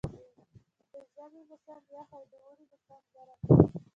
د ژمي موسم یخ او د اوړي موسم ګرم وي.